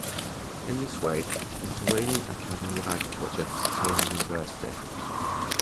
In this way Lithuanian Academy of Agriculture became a university.